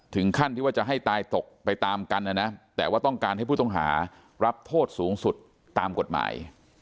ถึงขั้นที่ว่าจะให้ตายตกไปตามกันนะนะแต่ว่าต้องการให้ผู้ต้องหารับโทษสูงสุดตามกฎหมาย